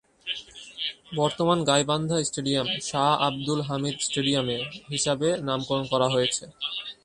বর্তমান গাইবান্ধা স্টেডিয়াম "শাহ আবদুল হামিদ স্টেডিয়ামে" হিসাবে নামকরণ করা হয়েছে।